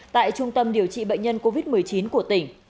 tại trung tâm điều trị bệnh nhân covid một mươi chín của tỉnh